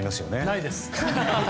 ないです。